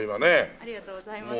ありがとうございます。